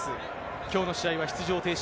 きょうの試合は出場停止。